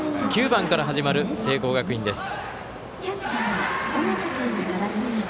９番から始まる聖光学院です。